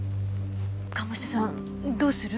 鴨志田さんどうする？